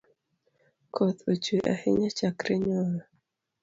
Koth ochwe ahinya chakre nyoro.